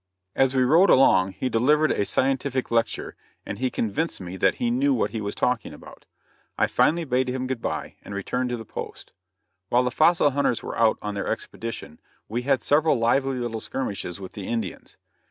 As we rode along he delivered a scientific lecture, and he convinced me that he knew what he was talking about. I finally bade him good bye, and returned to the post. While the fossil hunters were out on their expedition, we had several lively little skirmishes with the Indians.